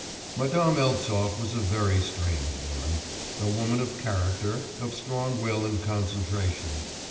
Madame Eltsov was a very strange woman, a woman of character, of strong will and concentration.